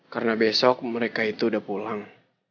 karena besok mereka itu udah pulang